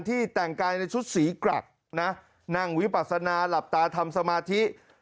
แต่งกายในชุดสีกรักนะนั่งวิปัสนาหลับตาทำสมาธิ